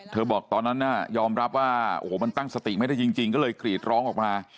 บอกตอนนั้นน่ะยอมรับว่าโอ้โหมันตั้งสติไม่ได้จริงก็เลยกรีดร้องออกมา